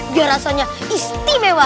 biar rasanya istimewa